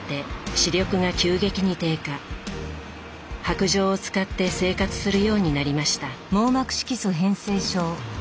白杖を使って生活するようになりました。